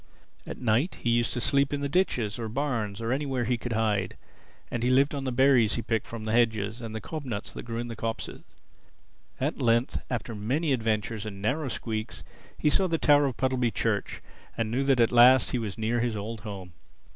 At night he used to sleep in ditches or barns or anywhere he could hide; and he lived on the berries he picked from the hedges and the cob nuts that grew in the copses. At length, after many adventures and narrow squeaks, he saw the tower of Puddleby Church and he knew that at last he was near his old home.